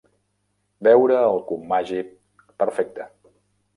Veure el cub màgic perfecte.